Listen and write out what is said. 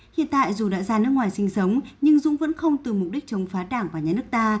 hiện tại dù đã ra nước ngoài sinh sống nhưng dũng vẫn không từ mục đích chống phá đảng và nhà nước ta